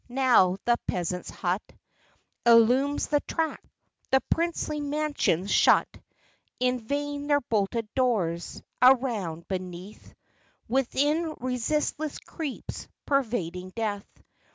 Now the peasant's hut Illumes the track. The princely mansions shut In vain their bolted doors; around, beneath, Within, resistless creeps pervading death.